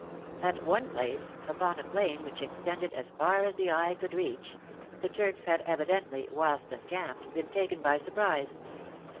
At one place — upon a plain which extended as far as the eye could reach — the Turks had evidently, whilst encamped, been taken by surprise.